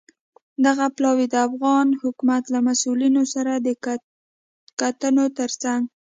دغه پلاوی د افغان حکومت له مسوولینو سره د کتنو ترڅنګ